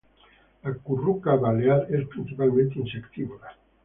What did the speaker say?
La curruca balear es principalmente insectívora.